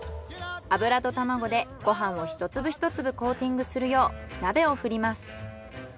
油と卵でご飯を一粒一粒コーティングするよう鍋を振ります。